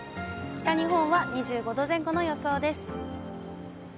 北日本は２５度前後の予想です。